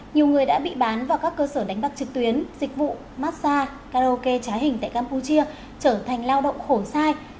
nhiều người đã bị bán vào các cơ sở đánh bạc trực tuyến dịch vụ massage karaoke trá hình tại campuchia trở thành lao động khổ sai